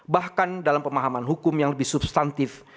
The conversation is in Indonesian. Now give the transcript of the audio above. bahkan dalam pemahaman hukum yang lebih substantif